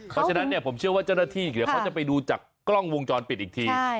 เพราะฉะนั้นผมเชื่อว่าเจ้าหน้าที่เดี๋ยวเขาจะไปดูจากกล้องวงจรปิดอีกที